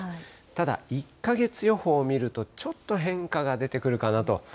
ただ、１か月予報を見ると、ちょっと変化が出てくるかなと。